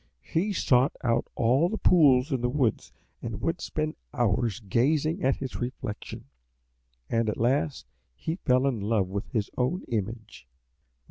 He sought out all the pools in the woods and would spend hours gazing at his reflection, and at last he fell in love with his own image.